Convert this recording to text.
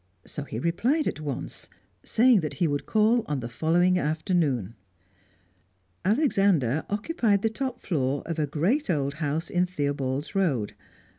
So he replied at once, saying that he would call on the following afternoon. Alexander occupied the top floor of a great old house in Theobald's Road.